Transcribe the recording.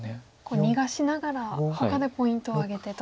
逃がしながらほかでポイントを挙げてと。